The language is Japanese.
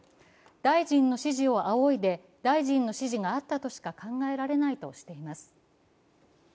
大臣の指示を仰いで、大臣の指示があったとしか考えられないとしています。